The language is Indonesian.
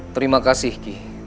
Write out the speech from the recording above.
terima kasih ki